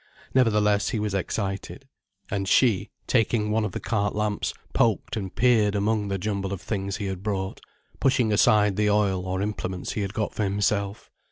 Nevertheless he was excited. And she, taking one of the cart lamps, poked and peered among the jumble of things he had brought, pushing aside the oil or implements he had got for himself.